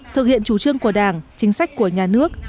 thực hiện chủ trương của đảng chính sách của nhà nước